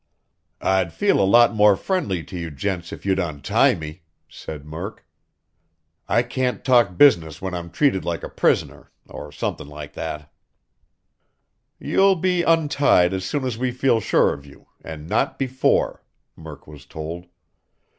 "I'd feel a lot more friendly to you gents if you'd untie me," said Murk. "I can't talk business when I'm treated like a prisoner, or somethin' like that." "You'll be untied as soon as we feel sure of you, and not before," Murk was told.